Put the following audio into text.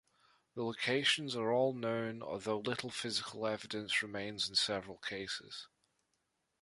The locations are all known although little physical evidence remains in several cases.